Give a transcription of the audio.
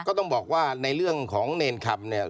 ก็ต้องบอกว่าในเรื่องของเนรคำเนี่ย